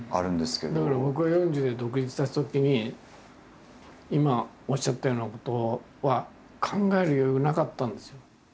だけど僕が４０で独立したときに今おっしゃったようなことは考える余裕がなかったんですよ。